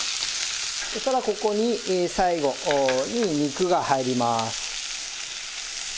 そしたらここに最後に肉が入ります。